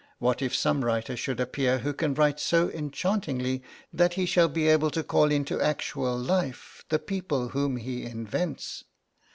What if some writer should appear who can write so enchantingly that he shall be able to call into actual life the people whom he invents?